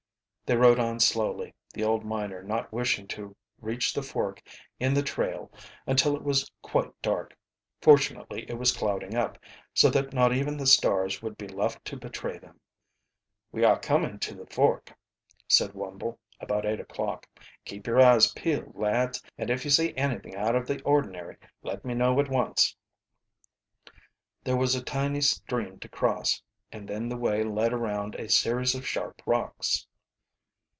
They rode on slowly, the old miner not wishing to reach the fork in the trail until it was quite dark. Fortunately it was clouding up, so that not even the stars would be left to betray them. "We are coming to the fork," said Wumble, about eight o'clock. "Keep your eyes peeled, lads, and if you see anything out of the ordinary, let me know at once." There was a tiny stream to cross, and then the way led around a series of sharp rocks.